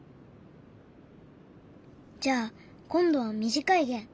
じゃあ今度は短い弦。